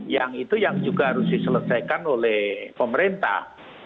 yang itu yang juga harus diselesaikan oleh pemerintah